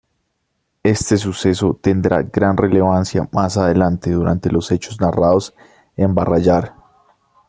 Este suceso tendrá gran relevancia más adelante, durante los hechos narrados en "Barrayar".